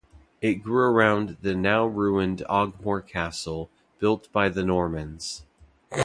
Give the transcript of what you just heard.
It grew around the now ruined Ogmore Castle, built by the Normans.